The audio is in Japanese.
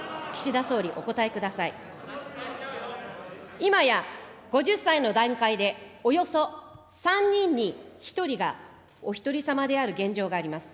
今や５０歳の段階で、およそ３人に１人がおひとりさまである現状があります。